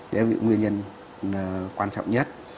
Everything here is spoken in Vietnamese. đấy là nguyên nhân quan trọng nhất